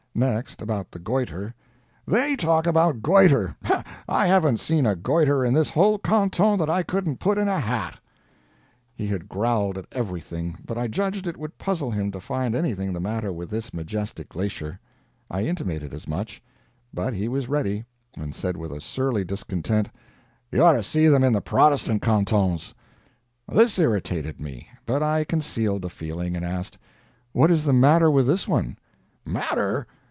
Next about the goiter: "THEY talk about goiter! I haven't seen a goiter in this whole canton that I couldn't put in a hat." He had growled at everything, but I judged it would puzzle him to find anything the matter with this majestic glacier. I intimated as much; but he was ready, and said with surly discontent: "You ought to see them in the Protestant cantons." This irritated me. But I concealed the feeling, and asked: "What is the matter with this one?" "Matter?